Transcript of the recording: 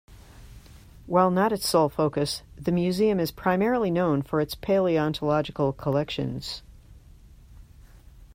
While not its sole focus, the museum is primarily known for its paleontological collections.